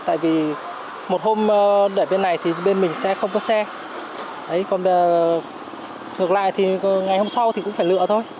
tại vì một hôm để bên này thì bên mình sẽ không có xe còn ngược lại thì ngày hôm sau thì cũng phải lựa thôi